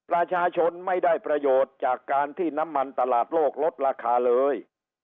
ประชาชนไม่ได้ประโยชน์จากการที่น้ำมันตลาดโลกลดราคาเลย